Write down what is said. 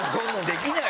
できない。